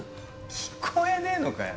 聞こえねえのかよ？